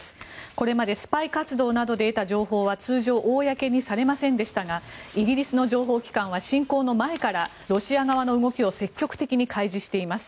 これまでスパイ活動などで得た情報は通常、公にされませんでしたがイギリスの情報機関は侵攻の前からロシア側の動きを積極的に開示しています。